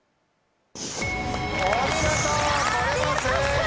お見事これも正解！